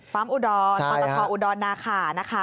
ฟาร์มอุดรต้อนรับพออุดรนาขานะคะ